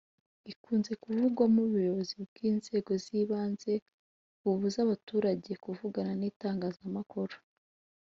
ikunze kuvugwamo ubuyobozi bw’ inzego z’ ibanze bubuza abaturage kuvugana n’ itangazamakuru